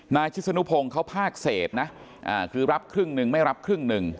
นายชิศนุพงศ์เขาภาคเศษนะคือรับครึ่งหนึ่งไม่รับครึ่งหนึ่ง